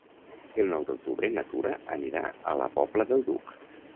El nou d'octubre na Tura anirà a la Pobla del Duc.